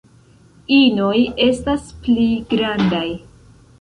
Inoj estas pli grandaj.